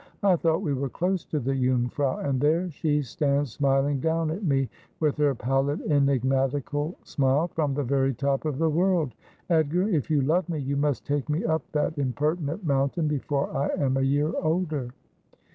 ' I thought we were close to the Jungfrau, and there she stands smiling down at me, with her pallid enigmatical smile, from the very top of the world. Edgar, if you love me, you must take me up that impertinent mountain before I am a year older.'